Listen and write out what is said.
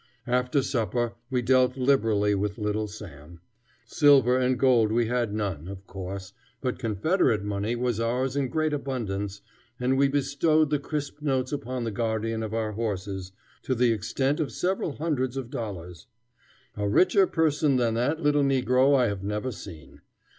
After supper we dealt liberally with little Sam. Silver and gold we had none, of course, but Confederate money was ours in great abundance, and we bestowed the crisp notes upon the guardian of our horses, to the extent of several hundreds of dollars. A richer person than that little negro I have never seen.